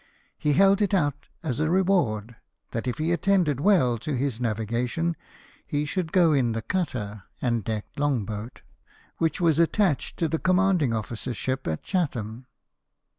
He held it out as a reward, that if he attended well to his navigation, he should go in the cutter and decked longboat, which was attached to the commanding officer's ship at Chatham.